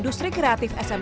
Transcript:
dan lebih transparan